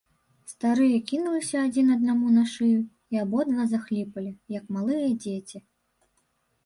Старыя кінуліся адзін аднаму на шыю і абодва захліпалі, як малыя дзеці.